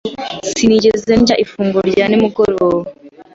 Sinigeze ndya ifunguro rya nimugoroba.